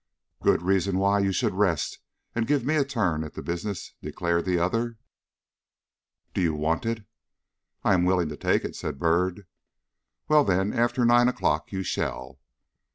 "Good reason why you should rest and give me a turn at the business," declared the other. "Do you want it?" "I am willing to take it," said Byrd. "Well, then, after nine o'clock you shall."